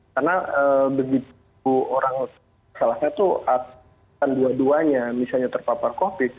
karena begitu orang salah satu atau dua duanya misalnya terpapar covid sembilan belas